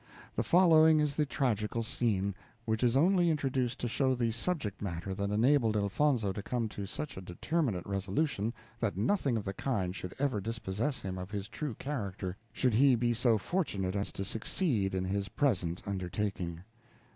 The following is the tragical scene, which is only introduced to show the subject matter that enabled Elfonzo to come to such a determinate resolution that nothing of the kind should ever dispossess him of his true character, should he be so fortunate as to succeed in his present undertaking.